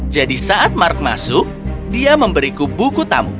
saat mark masuk dia memberiku buku tamu